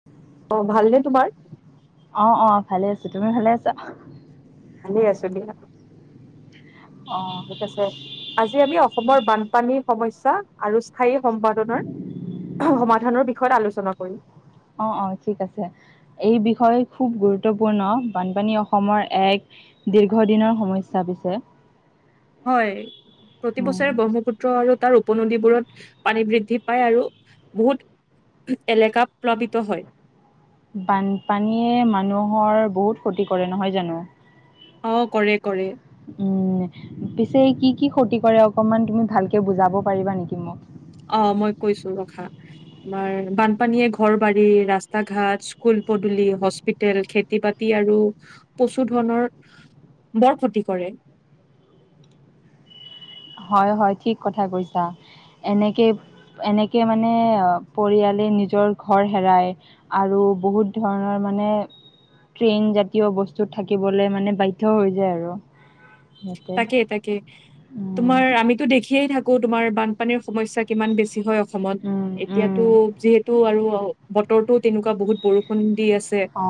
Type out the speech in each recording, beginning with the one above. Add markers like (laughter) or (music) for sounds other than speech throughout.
(unintelligible) অঁ' ভালনে তোমাৰ? অঁ' অঁ' ভালে আছোঁ, তুমি ভালে আছা? ভালে আছোঁ দিয়া। অঁ'। ঠিক আছে, আজি আমি অসমৰ বানপানী সমস্যা আৰু স্থায়ী সম্পাদনৰ সমাধানৰ বিষয়ত আলোচনা কৰিম। অঁ' অঁ' ঠিক আছে, এই বিষয় খুব গুৰুত্বপূৰ্ণ, বানপানী অসমৰ এক দীৰ্ঘদিনৰ সমস্যা পিছে। হয়। প্ৰতি উম, বছৰে ব্ৰহ্মপুত্ৰ আৰু তাৰ উপনদীবোৰত পানী বৃদ্ধি পায় আৰু বহুত এলেকা প্লাৱিত হয়। বানপানীয়ে মানুহৰ বহুত ক্ষতি কৰে, নহয় জানোঁ? অঁ' কৰে কৰে। উমঁ' পিছে কি কি ক্ষতি কৰে অকনমান ভালকে বুজাব পাৰিবা নেকি মোক? অঁ' মই কৈছো ৰখা, তোমাৰ বানপানীয়ে ঘৰ-বাৰী, ৰাস্তা-ঘাট স্কুল, পদুলি, হস্পিতেল, খেতি বাতি আৰু পশু ধনৰ বৰ ক্ষতি কৰে। হয় হয় ঠিক কথা কৈছা, এনেকে এনেকে মানে পৰিয়ালে নিজৰ ঘৰ হেৰাই- আৰু বহুত ধৰণৰ মানে ট্ৰেইন জাতীয় বস্তুত থাকিবলে মানে বাধ্য হৈ যায় আৰু। সিহঁতে তাকেই তাকেই। উম তোমাৰ আমিতো দেখিয়ে থাকো তোমাৰ বানপানীৰ সমস্যা কিমান বেছি হয়- অসমত, উম উম এতিয়াতো যিহেতু আৰু বতৰতো তেনেকুৱা বহুত বৰষুণ দি আ আছে, অ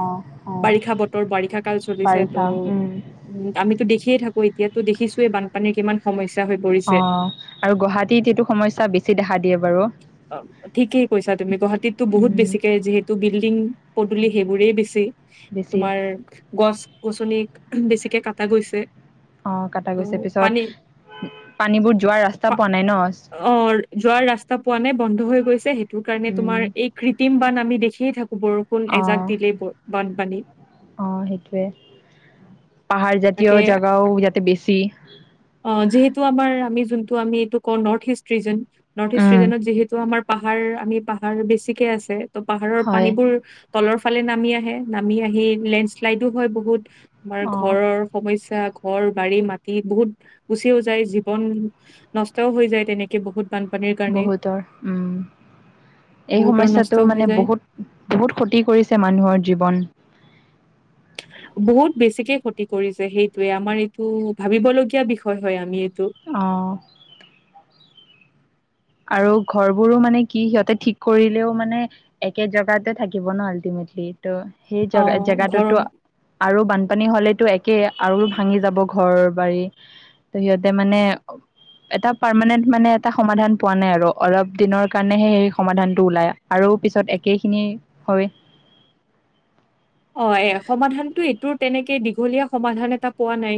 অ বাৰিষা বতৰ বাৰিষা কাল চলিছে বাৰিষা ত'- উম উমঁ' আমিতো দেখিয়ে থাকো এতিয়াতো দেখিছোয়ে বানপানীৰ কিমান সমস্যা হৈ অ পৰিছে। আৰু গুৱাহাটীত এইটো সমস্যা বেছি দেখা দিয়ে বাৰু। অঁ। ঠিকেই কৈছা তুমি, গুৱাহাটীতো বহুত উম বেছিকে যিহেতু বিল্ডিং পদূলি সেইবোৰেই বেছি। বেছি তোমাৰ গছ-গছনি বেছিকে কটা গৈছে। অঁ' কটা ত' গৈছে, পিছত পানী পানীবোৰ যোৱাৰ ৰাস্তা পোৱা নাই ন'। অঁ' যোৱাৰ ৰাস্তা পোৱা নাই বন্ধ হৈ গৈছে সেইটোৰ কাৰণে উম তোমাৰ এই কৃত্ৰিম বান আমি দেখিয়ে থাকো বৰষুণ এজাক দিলেই বানপানী। অঁ' সেইটোৱে, পাহাৰ তাকে জাতীয় জেগাও ইয়াতে বেছি। অঁ' যিহেতু আমাৰ আমি যোনটো আমি এইটো কও north east region. North east um ৰিজনত যিহেতু আমাৰ পাহাৰ আমি পাহাৰ বেছিকে আছে- ত' পাহাৰৰ হয় পানীবোৰ তলৰ ফালে নামি আহে, নামি আহি লেণ্ডশ্লাইডো হয় বহুত- আমাৰ অ ঘৰৰ সমস্যা ঘৰ বাৰী মাটি বহুত গুচিও যায়, জীৱন নষ্টও হৈ যায় তেনেকে বহুত। বানপানীৰ কাৰণে বহুতৰ উমঁ' এই বহুতৰ নষ্ট সমস্যাটো হৈ মানে যায় বহুত বহুত ক্ষতি কৰিছে মানুহৰ জীৱন। (unintelligible) বহুত বেছিকে ক্ষতি কৰিছে সেইটোৱে। আমাৰ এইটো ভাবিবলগীয়া বিষয় হয়, আমি এইটো। অহ। আৰু ঘৰবোৰো মানে কি, সিহঁতে ঠিক কৰিলেও মানে- একে জগাতে থাকিব ন' আল্টিমেটলি। ত' সেই অ ঘৰৰ জ-জেগাতোতটো- আৰু বানপানী হ'লেতো একে, আৰু ভাঙি যাব ঘৰ-বাৰী। ত' সিহঁতে মানে, এটা পাৰমানেণ্ট মানে এটা সমাধান- পোৱা নাই আৰু। অলপ দিনৰ কাৰণেহে এই সমাধানটো ওলাই। আৰু পিছত একেখিনি হয়। হয়, সমাধানটো এইটোৰ তেনেকে দীঘলীয়া সমাধান এটা পোৱা নাই।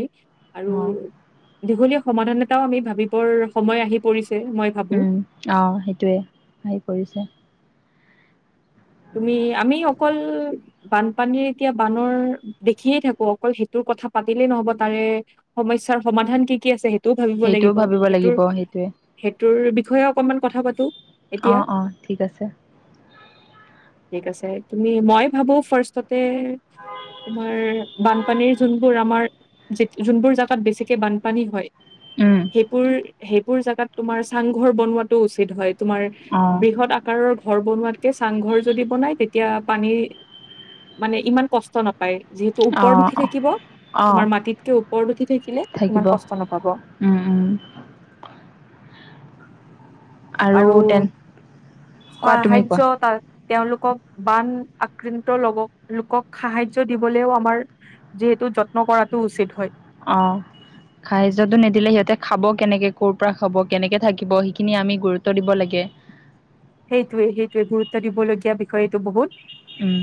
অ' আৰু- দীঘলীয়া সমাধান এটাও আমি ভাবিবৰ সময় আহি পৰিছে, মই ভাবোঁ। অহ, সেইটোৱে। আহি পৰিছে। তুমি, আমি অকল- বানপানী এতিয়া বানৰ দেখিয়ে থাকোঁ, অকল সেইটোৰ কথা পাতিলেই নহ'ব। তাৰ - সমস্যাৰ সমাধান কি কি আছে, সেইটোও ভাবিব সেইটোও লাগিব। ভাবিব লাগিব সেইটোৰ- সেইটোৱে সেইটোৰ বিষয়ে অকণমান কথা পাতোঁ। অ', অ', ঠিক আছে। ঠিক আছে তুমি, মই ভাবোঁ ফাৰ্ষ্ট- ততে তোমাৰ, বানপানীৰ যোনবোৰ আমাৰ- যেত, যোনবোৰ জাগাত বেছিকে বানপানী হয়, উম সেইবোৰ- সেইবোৰ জাগাত তোমাৰ চাংঘৰ বনোৱাতো উচিত হয়। তোমাৰ- অ' বৃহৎ আকাৰৰ ঘৰ বনোৱাতকে- চাংঘৰ যদি বনাই তেতিয়া পানী, মানে ইমান কষ্ট না- পাই যিহেতু ওপৰত উঠি অ' থাকিব, অ' তোমাৰ অ' মাটিতকে ওপৰত উঠি থাকিলে ইমান থাকিব কষ্ট নাপাব। উম, উম। আৰু কোৱা তুমি কোৱা স-সাহায্য তাত- তেওঁলোকক বান, আক্ৰান্ত লকক, লোকক সাহায্য দিবলৈও আমাৰ- যিহেতু যত্ন কৰাটো উচিত হয়। অহ। সাহায্যটো নিদিলে সিহঁতে খাব কেনেকে, ক'ৰ পৰা খাব, কেনেকে থাকিব, সেইখিনি আমি গুৰুত্ব দিব লাগে। সেইটোৱে, সেইটোৱে। গুৰুত্ব দিবলগীয়া বিষয় এইটো বহুত। উম।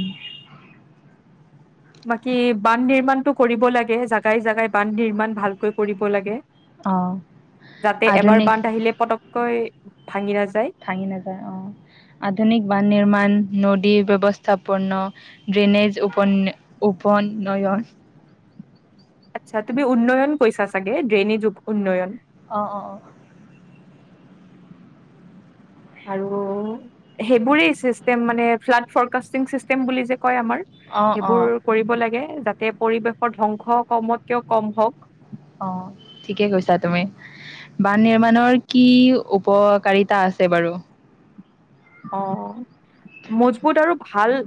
বাকি বান নিৰ্মণটো কৰিব লাগে। জাগাই জাগাই বান নিৰ্মাণ ভালকৈ কৰিব লাগে। অ যাতে এবাৰ আধুনিক বান আহিলে পটককৈ ভাঙি নাযায়। ভাঙি নাযায় অ'। আধুনিক বান নিৰ্মাণ নদীৰ ব্যৱস্থা পৰ্ণ - ড্ৰেনেজ উপন, উপন নয়ন। আচ্ছা তুমি উন্নয়ন কৈছা চাগে, ড্ৰেইনেজ উন্নয়ন। অ' অ' অ'। আৰু সেইবোৰেই চিষ্টেম মানে। 'ফ্লাড ফৰকাষ্টিং চিষ্টেম', বুলি যে কয় আমাৰ। অ অ অ সেইবোৰ কৰিব লাগে, যাতে পৰিৱেশৰ ধ্বংস কমতকেও কম হওক। অ', ঠিকে কৈছা তুমি। বানে মানুহৰ কি উপকাৰিতা আছে বাৰু? অহ, মজবুত আৰু ভাল-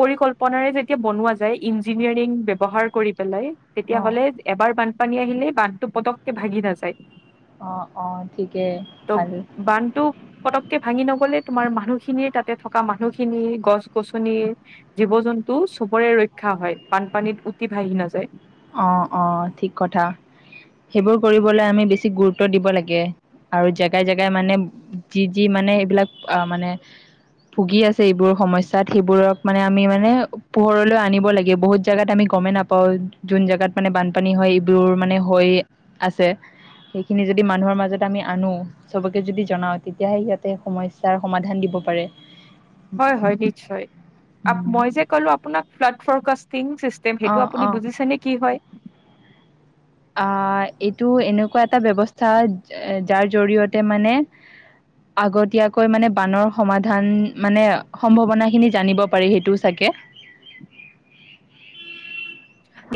পৰিকল্পনাৰে যেতিয়া বনোৱা যায়, ইঞ্জিনিয়াৰিং ব্যৱহাৰ কৰি পেলাই- অ তেতিয়াহ'লে এবাৰ বানপানী আহিলে বানটো পটককে ভাগি নাযায়। অ অ ঠিকেই ভালে বানটো পটকে ভাঙি নগলে তোমাৰ মানুহখিনিৰ তাতে থকা মানুহখিনি গছ-গছনি জীৱ জন্তু চবৰে ৰক্ষা হয় বানপানীত উটি ভাহি নাযায় অ অ ঠিক কথা সেইবোৰ কৰিবলৈ আমি বেছি গুৰুত্ব দিব লাগে আৰু জেগাই জেগাই মানে যি যি মানে এইবিলাক আহ মানে ভুগি আছে এইবোৰ সমস্যাত সেইবোৰক মানে আমি মানে পোহৰলৈ আনিব লাগে বহুত জেগাত আমি গমেই নাপাওঁ যোন জোগাত মানে বানপানী হয় এইবোৰ মানে হৈ আছে সেইখিনি যদি মানুহৰ মাজত আমি আনো চবকে যদি জনাও তেতিয়াহে সিহঁতে সমস্যাৰ সমাধান দিব পাৰে হয় হয় নিশ্চয় উম, মই যে কলো আপোনক ফ্লাড ফৰকাষ্টি্ং ছিচ সেইটো অ', আপুনি অ', বুজিছে নে কি হয় অ এইটো এনেকুৱা এটা ব্যৱস্থা হয় যাৰ জৰিয়তে মানে আগতীয়াকৈ মানে বানৰ সমাধান মানে সম্ভাৱনা খিনি জানিব পাৰি সেইটোও চাগে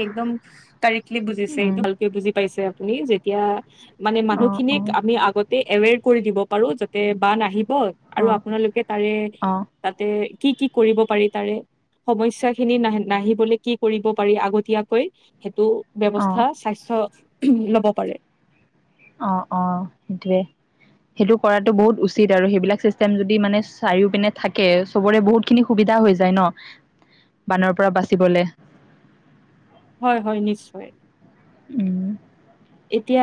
একদম কাৰেক্টলি বুজিছে উম এইটো ভালকে বুজি পাইছে আপুনি যেতিয়া মানে অ অ মানুহখিনিক আমি আগতে এৱেৰ কৰি দিব পাৰো যাতে বান আহিব অ আৰু আপোনালোকে তাৰে তাতে কি কি কৰিব পাৰি তাৰে সমস্যা খিনি নাহি নাহিবলে কি কৰিব পাৰি আগতীয়াকৈ সেইটো অ ব্যৱস্থা স্বাস্থ্য ল'ব পাৰে অ অ সেইটোৱে সেইটো কৰাটো বহুত উচিত আৰু সেইবিলাক চিষ্টেম যদি মানে চাৰিও পিনে থাকে চবৰে বহুত খিনি সুবিধা হৈ যায় ন বানৰ পৰা বাচিবলে হয় হয় নিশ্চয় উম এতিয়া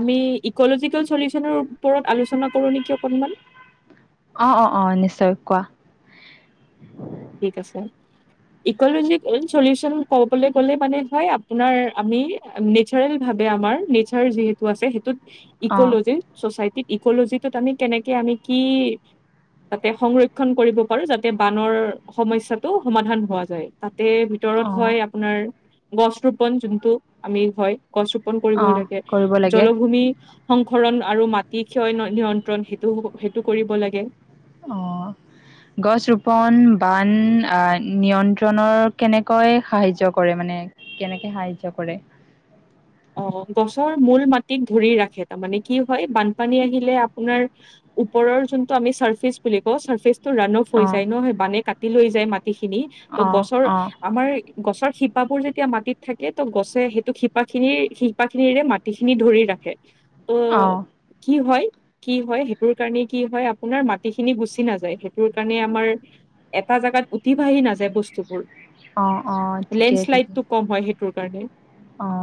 আমি ইকলজিকেল চলিউচনৰ ওপৰত আলোচনা কৰো নেকি অকনমান অ, অ, অ নিশ্চয় কোৱা। ঠিক আছে। ইকলজিকেল চলিউচন ক'বলৈ গ'লে মানে, হয় আপোনাৰ আমি নেচাৰেল ভাৱে আমাৰ নেচাৰ যিহেতু আছে। সেইটোত অ ইক'লজি ছছাইটি ইকলজিটোত আমি কেনেকে আমি কি? যাতে সংৰক্ষণ কৰিব পাৰো। যাতে বানৰ সমস্যয়াটো সমাধান হোৱা যায়। তাতে অ ভিতৰত হয় আপোনাৰ গছ ৰোপন যোনটো, আমি হয় গছ ৰোপন অ কৰিবই লাগে। কৰিব লাগে জলভূমি সংসৰণ আৰু মাটি ক্ষয় নিয়ন্ত্ৰণ সেইটো সেইটো কৰিব লাগে। অঁ গছ ৰোপণ বান নিয়ন্ত্ৰণৰ কেনেকৈ সাহাৰ্য কৰে মানে? কেনেকে সাহায্য কৰে? অ গছৰ মূল মাটিক ধৰি ৰাখে। তাৰমানে কি হয়, বানপানী আহিলে আপোনাৰ ওপৰৰ যোনটো আমি চাৰফেচ বুলি কওঁ চাৰফেচ ৰান অফ হৈ অ', যায় ন। বানে কাটি লৈ যায় মাটিখিনি। ত অ', গছৰ অ', আমাৰ গছৰ শিপাবোৰ যেতিয়া মাটিত থাকে তো গছে সেইটো শিপাক খিনিৰ শিপাখিনিৰে মাটি খিনি ধৰি ৰাখে। ত অ', কি হয় কি হয়, সেইটোৰ কাৰণে কি হয় আপোনাৰ মাটিখিনি গুচি নাযায়। সেইটোৰ কাৰণে আমাৰ এটা জাগাত উঠি বাাহি নাযায় বস্তুবোৰ। অ', অ', ঠিকে ঠিকে লেণ্ডশ্লাইডটো কম হয়। সেইটো কাৰণে অ।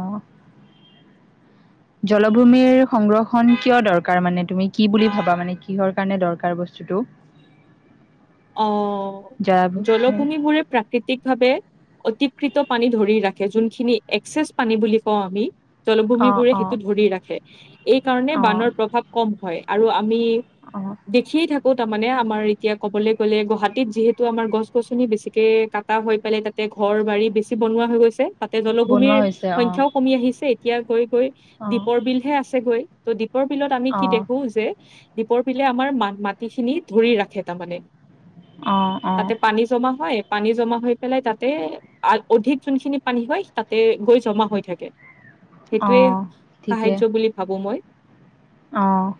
জলভূমিৰ সংৰক্ষণ কিয় দৰকাৰ মানে তুমি কি বুলি ভাবা মানে কিহৰ কাৰণে দৰকাৰ বস্তুটো? অ জলাভূমি জলভূমিবোৰে প্ৰাকৃতিক ভাৱে অতিকৃত পানী ধৰি ৰাখে, যোনখিনি এক্সেছ পানী বুলি কওঁ আমি। অ', জলভূমিবোৰে অ', সেইটো ধৰি ৰাখে, এই কাৰণে অ', বানৰ প্ৰভাৱ কম হয়, আৰু আমি অঁ। দেখিয়ে থাকো তাৰ মানে আমাৰ এতিয়া ক'বলে কলে গুৱাহাটীত যিহেতু আমাৰ গছ গছনি বেছিকে কাটা হৈ পেলাই তাতে ঘৰ বাৰী বেছি বনোৱা হৈ গৈছে। তাতে বনোৱা জলভূমিৰ হৈছে অ', সংখ্যাও কমি আহিছে, এতিয়া গৈ গৈ অ', দ্বীপৰ বিলহে আছে গৈ। ত' দ্বীপৰ বিলত আমি কি অ', দেখো যে, দীপৰ বিলে আমাৰ মা-মাটিখিনি ধৰি ৰাখে তাৰমানে। অ। অ', তাতে পানী জমা হয়, পানী জমা হৈ পেলাই তাতে অধিক যোনখিনি পানী হয় তাতে গৈ জমা হৈ থাকে। সেইটোয়ে অ', সাহাৰ্য বুলি ভাবো মই। অঁ।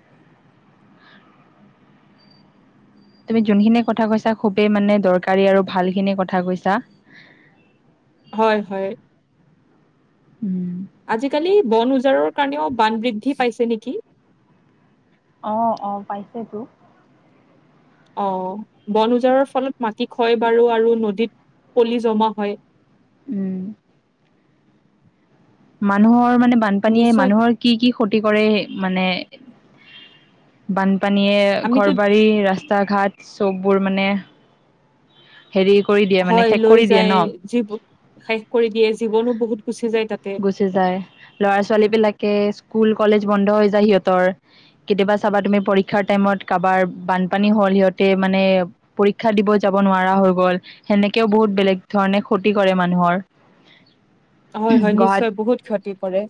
তুমি যোনখিনি কথা কৈছা খুবেই মানে দৰকাৰী আৰু ভালখিনি কথা কৈছা। হয়, হয়। উম। আজিকালি বন উজাৰৰ কাৰণেও বান বৃদ্ধি পাইছে নেকি? অ, অ পাইছেতো। অ বন উজাৰৰ ফলত মাটি ক্ষয় বাৰু আৰু নদীত পলি জমা হয়। উম। মানুহৰ মানে বানপানীয়ে নিশ্চয় মানুহৰ কি কি ক্ষতি কৰে মানে বানপানীয়ে আমিতো ঘৰ বাৰী ৰাস্তা ঘাট চববোৰ মানে হেৰি কৰি দিয়ে মানে হয় শেষ লৈ কৰি দিয়ে ন যায় জীৱ শেষ কৰি দিয়ে, জীৱনো বহুত গুচি যায় তাতে। গুচি যায় ল'ৰা ছোৱালীবিলাকে স্কুল কলেজ বন্ধ হৈ যায় সিহঁতৰ। কেতিয়াবা চাবা তুমি পৰীক্ষাৰ টাইমত কাবাৰ বানপানী হ'ল সিহঁতে মানে পৰীক্ষা দিব যাব নোৱাৰা হৈ গ'ল, সেনেকেও বহুত বেলেগ ধৰণে ক্ষতি কৰে মানুহৰ। হয় হয় নিশ্চয় বহুত ক্ষতি কৰে।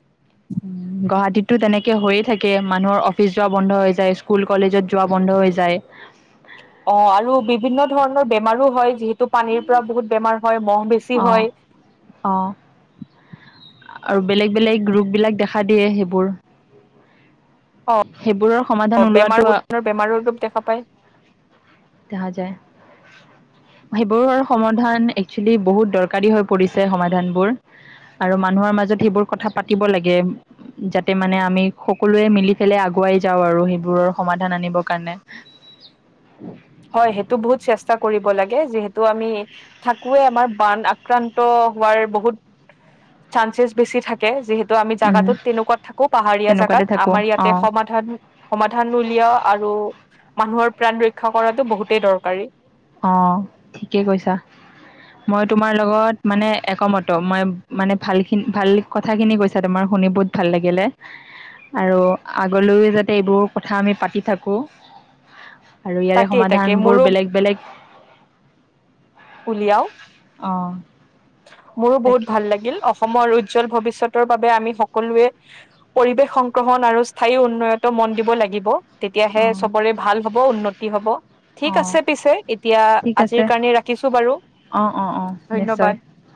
উম গুৱাহাটীততো তেনেকে হৈয়ে থাকে মানুহৰ অফিচ যোৱা বন্ধ যায়। স্কুল কলেজত যোৱা বন্ধ হৈ যায়। অ' আৰু বিভিন্ন ধৰণৰ বেমাৰো হয় যিহেতু পানীৰ পৰা বহুত বেমাৰ হয় মহ বেছ অ' অ'। আৰু বেলেগ ৰূপবিলাক দেখা দিয়ে সেইবোৰ। সেইবোৰৰ সমাধান অ' অ' ওলোৱাটো বেমাৰ বহুত ধৰণৰ বেমাৰূপ দেখা পায়। দেখা যায়। সেইবোৰৰ সমাধান একচুৱেলি বহুত দৰকাৰী হৈ পৰিছে সমাধানবোৰ। আৰু মানুহৰ মাজত সেইবোৰ কথা পাতিব লাগে। যাতে মানে আমি সকলোৱে মিলি পেলাই আগুৱাই যাওঁ আৰু সেইবোৰৰ সমাধান আনিব কাৰণে। (inaudible) (inaudible) হয় সেইটো বহুত চেষ্টা কৰিব লাগে যিহেতু আমি থাকোৱে এবাৰ বান আক্ৰান্ত হোৱাৰ বহুত চানসেছ বেছি থাক যিহেতু আমি উম জাগাটোত তেনেকুৱাত থাকোঁ, পাহাৰীয়া জাগাত। তেনেকুৱাতে থাকো আমাৰ ইয়াতে অ সমাধান সমাধান উলিওৱা আৰু মানুহৰ প্ৰাণ ৰক্ষা কৰাটো বহুতেই দৰকাৰী। অ', ঠিকে কৈছাঁ। মই তোমাৰ লগত মানে একমত, মই মানে ভালখিনি ভাল কথাখিনি কৈছাঁ, তোমাৰ শুনি বহুত ভাল লাগিলে। আৰু আগলৈও যাতে এইবোৰ কথা আমি পাতি থাকোঁ। আৰু ইয়াৰে তাকেই তাকে সমাধান বোৰ মোৰো বেলেগ বেলেগ। উলিয়াও। অ', মোৰো বহুত ভাল লাগিল অ'। অসমৰ উজ্জ্বল ভৱিষ্যতৰ বাবে আমি সকলোৱে, পৰিৱেশ সংগ্ৰমণ আৰু স্থায়ী উন্নয়নত ত' মন দিব লাগিব, তেতিয়াহে অঁ চ'বৰে ভাল হ'ব, উন্নতি হ'ব। ঠিক অঁ আছে পিছে, এতিয়া আজিৰ কাৰণে ৰাখ অ' অ' অ', নিশ্চয়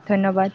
ধন্যবাদ।